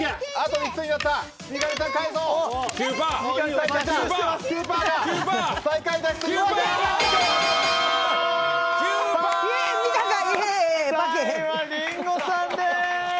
３位はリンゴさんです！